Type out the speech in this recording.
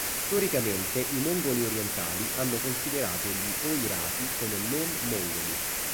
Storicamente, i mongoli orientali hanno considerato gli oirati come non-mongoli.